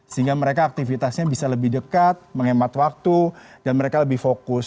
sehingga mereka aktivitasnya bisa lebih dekat menghemat waktu dan mereka lebih fokus